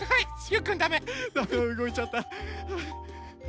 ハハハッ。